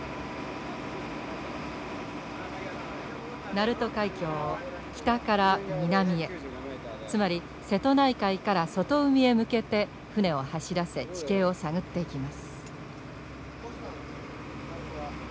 鳴門海峡を北から南へつまり瀬戸内海から外海へ向けて船を走らせ地形を探っていきます。